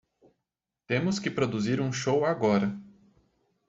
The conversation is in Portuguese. Temos que produzir um show agora.